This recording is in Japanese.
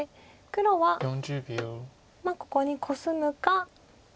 黒はここにコスむか